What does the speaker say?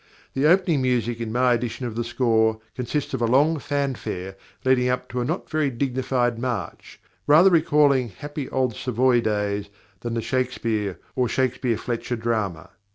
The opening music in my edition of the score consists of a long fanfare leading up to a not very dignified march, rather recalling happy old Savoy days than the Shakespeare or Shakespeare Fletcher drama.